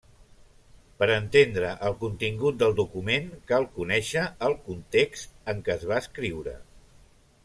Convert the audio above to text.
Per entendre el contingut del document cal conèixer el context en què es va escriure.